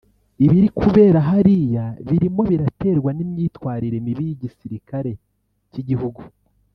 « Ibiri kubera hariya birimo biraterwa n’imyitwarire mibi y’igisirakare cy’igihugu